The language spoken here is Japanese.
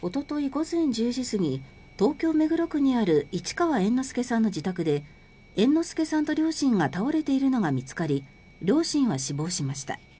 午前１０時過ぎ東京・目黒区にある市川猿之助さんの自宅で猿之助さんと両親が倒れているのが見つかり両親は死亡しました。